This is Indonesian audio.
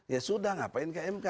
ya sudah ngapain ke mk